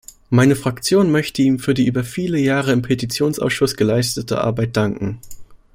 Meine Fraktion möchte ihm für die über viele Jahre im Petitionsausschuss geleistete Arbeit danken.